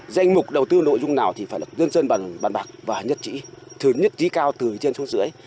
danh mục đầu tư nội dung nào thì phải là dân dân bằng bàn bạc và nhất trí nhất trí cao từ trên xuống dưới